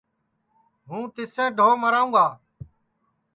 ہوں تِسیں ڈھو مراوں گا